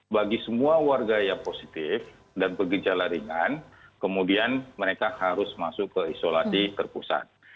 bagi semua warga yang positif dan bergejala ringan kemudian mereka harus masuk ke isolasi terpusat